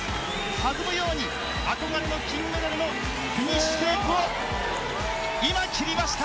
弾むように憧れの金メダルのフィニッシュテープを今切りました。